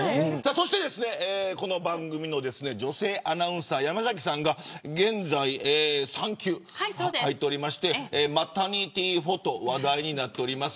そして、この番組の女性アナウンサー山崎さんが現在、産休に入っておりましてマタニティフォト話題になっております。